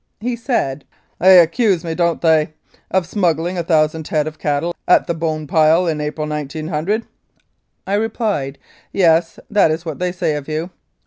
He said, "They accuse me, don't they, of smuggling 1,000 head of cattle at the Bone Pile in April, 1900?" I replied, "Yes, that's what they say of you."